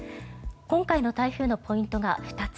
今回の台風のポイントが２つ。